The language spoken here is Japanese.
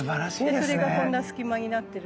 でそれがこんな隙間になってるんだと。